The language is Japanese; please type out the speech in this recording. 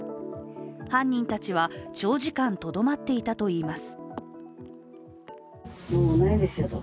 犯人たちは長時間とどまっていたといいます。